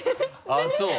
あぁそう。